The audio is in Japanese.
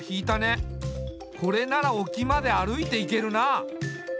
これなら沖まで歩いていけるな。